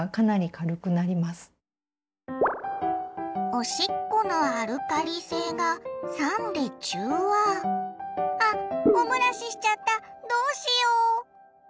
おしっこのアルカリせいがさんでちゅうわ⁉あおもらししちゃったどうしよう？